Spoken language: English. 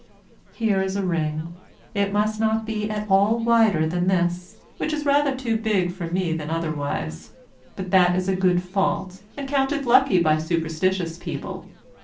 Here is a ring: it must not be at all wider than this, which is rather too big for me than otherwise; but that is a good fault, and counted lucky by superstitious people.